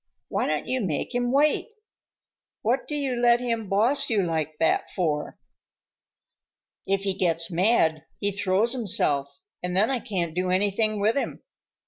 "Why don't you make him wait? What do you let him boss you like that for?" "If he gets mad he throws himself, and then I can't do anything with him.